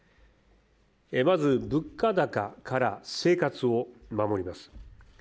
まず、物価高から生活を守ります。